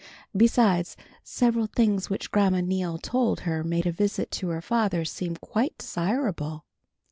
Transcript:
Besides, several things which Grandma Neal told her made a visit to her father seem quite desirable.